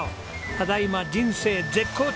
ただいま人生絶好調！